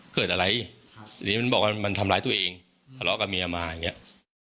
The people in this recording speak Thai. เกิดอะไรทีนี้มันบอกว่ามันทำร้ายตัวเองทะเลาะกับเมียมาอย่างเงี้ย